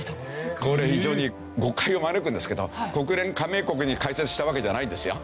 これ非常に誤解を招くんですけど国連加盟国に解説したわけではないんですよ。